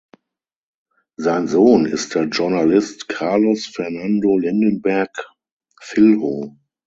Sein Sohn ist der Journalist Carlos Fernando Lindenberg Filho.